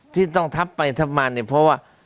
ที่ต้องทับไปทับมาเนี่ยเพราะว่า